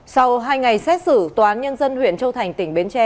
ngày ngày xét xử tòa án nhân dân huyện châu thành tỉnh bến tre